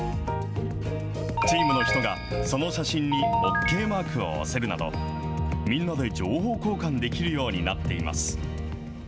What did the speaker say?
チームの人がその写真にＯＫマークを押せるなど、みんなで情報交換できるようになっています。